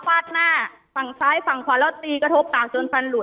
แต่คุณแป้งบอกวันอังคารยังมาเรียนก็ยังปกติเลย